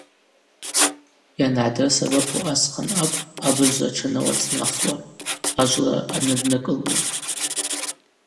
Йангӏадрысабапуа асхъан акӏвпӏ абызшва тшанауацӏнахуа, ажвлара анаднакӏылуа.